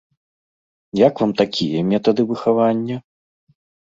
Як вам такія метады выхавання?